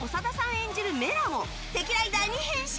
演じるメラも敵ライダーに変身！